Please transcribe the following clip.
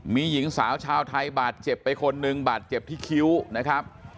มีหญิงสาวชาวไทยบาดเจ็บไปคนหนึ่งบาดเจ็บที่คิ้วนะครับ